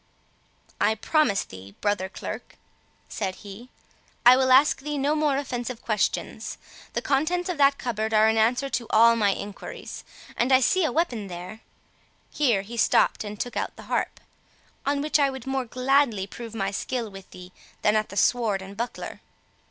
"I promise thee, brother Clerk," said he, "I will ask thee no more offensive questions. The contents of that cupboard are an answer to all my enquiries; and I see a weapon there" (here he stooped and took out the harp) "on which I would more gladly prove my skill with thee, than at the sword and buckler."